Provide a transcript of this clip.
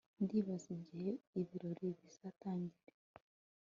Ndibaza igihe ibirori bizatangirira